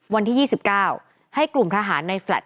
วันที่๒๙ให้กลุ่มทหารในแฟลต